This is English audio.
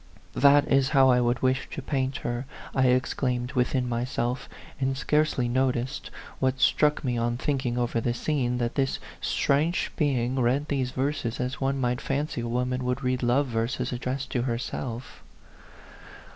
" That is how I would wish to paint her !" I exclaimed within myself; and scarcely no ticed, what struck me on thinking over the scene, that this strange being read these verses as one might fancy a woman would read love verses addressed to herself.